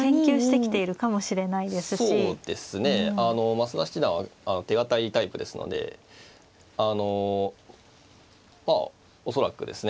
増田七段は手堅いタイプですのであの恐らくですね